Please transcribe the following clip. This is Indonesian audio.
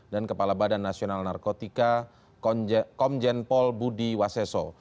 dan kepala badan nasional narkotika komjenpol budi waseso